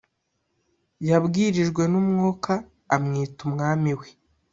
Yabwirijwe n umwuka amwita umwami we